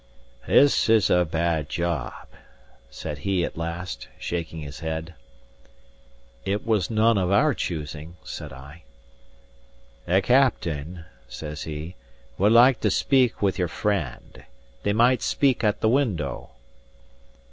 "This is a bad job," said he at last, shaking his head. "It was none of our choosing," said I. "The captain," says he, "would like to speak with your friend. They might speak at the window."